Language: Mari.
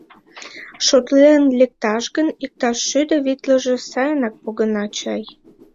Шотлен лекташ гын, иктаж шӱдӧ витлыже сайынак погына чай.